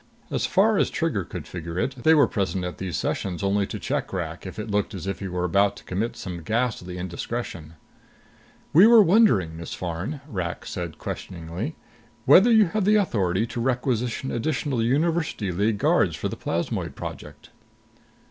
As far as Trigger could figure it, they were present at these sessions only to check Rak if it looked as if he were about to commit some ghastly indiscretion. "We were wondering, Miss Farn," Rak said questioningly, "whether you have the authority to requisition additional University League guards for the Plasmoid Project?"